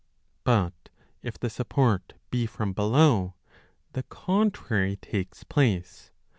20 But if the support be from below, the contrary takes place.